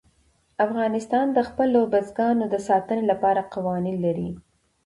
افغانستان د خپلو بزګانو د ساتنې لپاره قوانین لري.